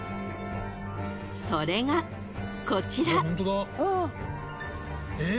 ［それがこちら］